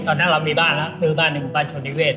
ตอนนั้นเรามีบ้านแล้วซื้อบ้านในหมู่บ้านชนนิเวศ